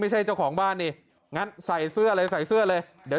เจ้าของบ้านนี่งั้นใส่เสื้อเลยใส่เสื้อเลยเดี๋ยว